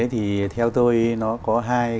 thì theo tôi nó có hai